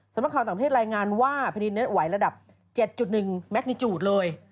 สำหรับข่าวต่างประเทศรายงานว่าพนิตนี้ไหวระดับ๗๑แมกนิจูตเลย